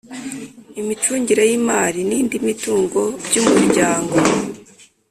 Imicungire y imari n indi mitungo by umuryango